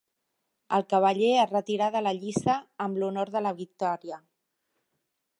El cavaller es retirà de la lliça amb l'honor de la victòria.